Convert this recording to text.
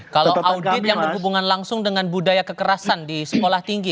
kalau audit yang berhubungan langsung dengan budaya kekerasan di sekolah tinggi